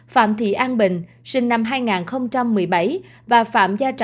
phạm thị an bình sinh năm hai nghìn một mươi chín